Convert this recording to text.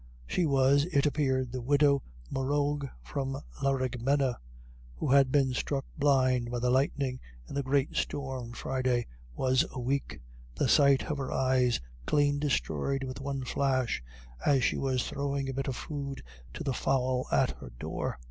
She was, it appeared, the widow Morrough from Laraghmena, who had been struck blind by the lightning in the great storm Friday was a week the sight of her eyes clean destroyed with one flash as she was throwing a bit of food to the fowl at her door.